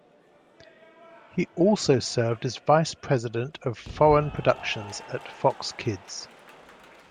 He also served as vice president of foreign production at Fox Kids.